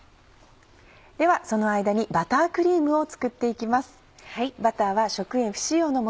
ではその間にバタークリームを作っていきます。